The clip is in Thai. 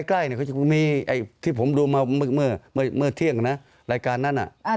ใกล้เขาจะมีที่ผมดูเมื่อเที่ยงนะรายการนั้น